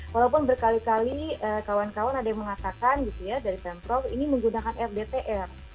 walaupun berkali kali kawan kawan ada yang mengatakan gitu ya dari pemprov ini menggunakan rdtr